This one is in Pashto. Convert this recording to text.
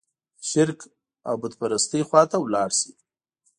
د شرک او بوت پرستۍ خوا ته لاړ شي.